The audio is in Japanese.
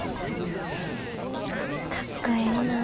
へえかっこええなぁ。